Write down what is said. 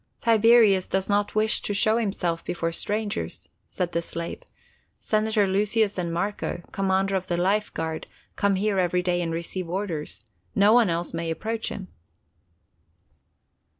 "Tiberius does not wish to show himself before strangers," said the slave. "Senator Lucius and Marco, Commander of the Life Guard, come here every day and receive orders. No one else may approach him."